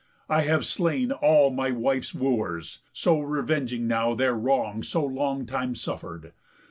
I have slain All my wife's Wooers, so revenging now Their wrong so long time suffer'd.